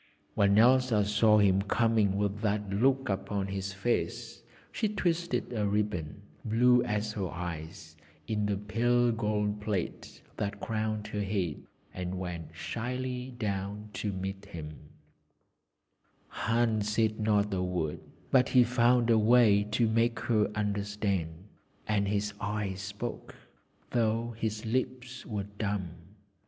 When Elsa saw him coming with that look upon his face, she twisted a ribbon, blue as her eyes, in the pale gold plait that crowned her head, and went shyly down to meet him. [Illustration: "Went shyly down to meet him"] Hans said not a word, but he found a way to make her understand, and his eyes spoke, though his lips were dumb.